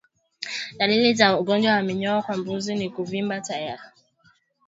Dalili za ugonjwa wa minyoo kwa mbuzi ni kuvimba taya